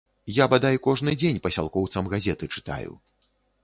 Я бадай кожны дзень пасялкоўцам газеты чытаю.